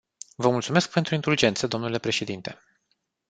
Vă mulțumesc pentru indulgență, domnule președinte.